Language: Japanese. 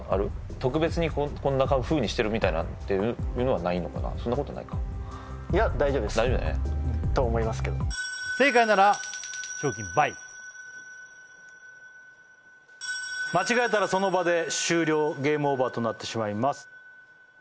特別にこんなふうにしてるみたいなっていうのはないのかなそんなことないか大丈夫だねと思いますけど正解なら賞金倍間違えたらその場で終了ゲームオーバーとなってしまいます